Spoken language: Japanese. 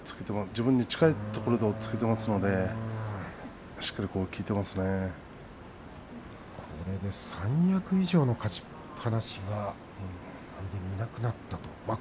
自分に近いところで押っつけていますのでこれで三役以上の勝ちっぱなしがいなくなったと。